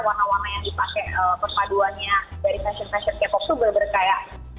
warna warna yang dipakai perpaduannya dari fashion fashion k pop tuh bener bener kaya